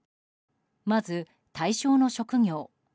まず、対象の職業。